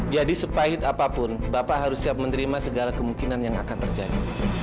jadi sepahit apapun bapak harus siap menerima segala kemungkinan yang akan terjadi